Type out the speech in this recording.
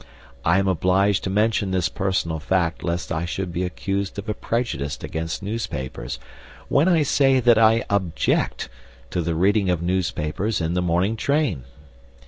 I am obliged to mention this personal fact lest I should be accused of a prejudice against newspapers when I say that I object to the reading of newspapers in the morning train.